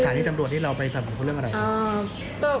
สถานที่จำดวชที่เราไปสนับสมมุมกับเรื่องอะไรครับ